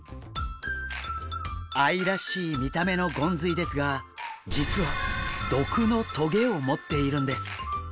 愛らしい見た目のゴンズイですが実は毒の棘を持っているんです。